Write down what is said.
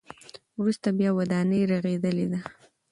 وروسته بیا ودانۍ رغېدلې ده.